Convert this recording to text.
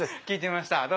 聞いてました。